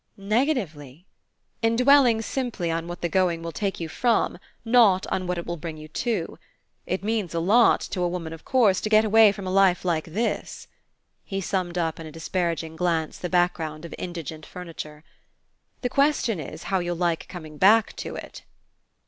"Negatively?" "In dwelling simply on what the going will take you from, not on what it will bring you to. It means a lot to a woman, of course, to get away from a life like this." He summed up in a disparaging glance the background of indigent furniture. "The question is how you'll like coming back to it."